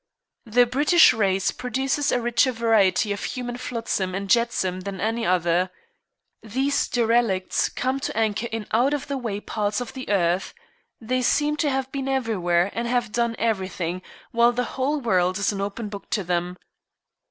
The British race produces a richer variety of human flotsam and jetsam than any other. These derelicts come to anchor in out of the way parts of the earth. They seem to have been everywhere and have done everything, while the whole world is an open book to them.